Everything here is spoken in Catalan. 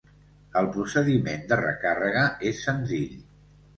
El procediment de recàrrega és senzill.